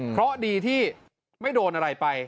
เพราะดีที่ไม่โดนอะไรไป